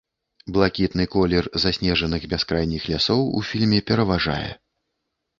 Блакітны колер заснежаных бяскрайніх лясоў у фільме пераважае.